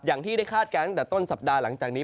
อย่างที่ได้คาดการณ์ตั้งแต่ต้นสัปดาห์หลังจากนี้